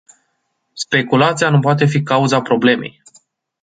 Speculația nu poate fi cauza problemei.